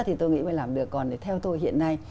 thì tôi nghĩ mới làm được còn theo tôi hiện nay